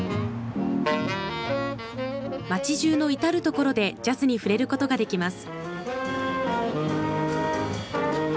街なかの至るところでジャズに触れることができます。